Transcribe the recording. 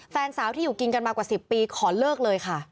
แฟนสาวที่อยู่กินกันมากว่า๑๐ปีขอเลิกเลยค่ะ